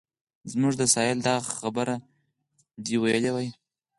زموږ د سایل دغه خبره دې ویلې وای.